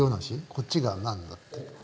こっちが何だっけ。